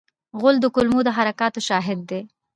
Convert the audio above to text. غول د کولمو د حرکاتو شاهد دی.